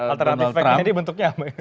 alternative factnya ini bentuknya apa ya